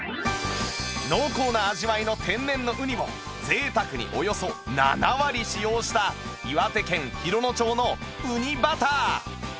濃厚な味わいの天然のウニを贅沢におよそ７割使用した岩手県洋野町のうにバター